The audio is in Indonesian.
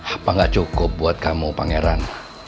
apa gak cukup buat kamu pangeran